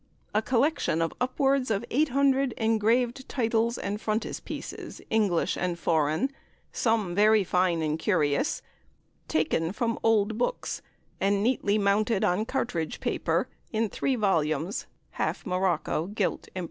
A Collection of upwards of 800 ENGRAVED TITLES AND FRONTISPIECES, ENGLISH AND FOREIGN (_some very fine and curious) taken from old books and neatly mounted on cartridge paper in 3 vol, half morocco gilt. imp.